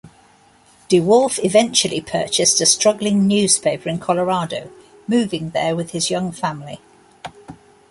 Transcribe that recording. DeWolfe eventually purchased a struggling newspaper in Colorado, moving there with his young family.